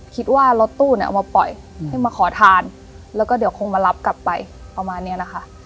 คิดว่ารถตู้เนี่ยเอามาปล่อยให้มาขอทานแล้วก็เดี๋ยวคงมารับกลับไปประมาณเนี้ยนะคะ